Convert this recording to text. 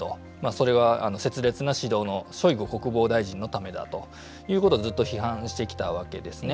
それは拙劣な指導のショイグ国防大臣のせいだとずっと批判してきたわけですね。